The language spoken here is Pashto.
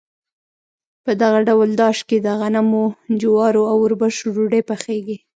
په دغه ډول داش کې د غنمو، جوارو او اوربشو ډوډۍ پخیږي.